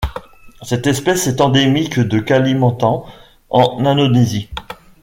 Cette espèce est endémique de Kalimantan eN Indonésie.